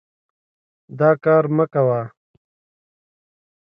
دا کار مه کوه.